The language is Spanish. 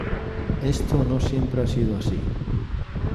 Esto no siempre ha sido así.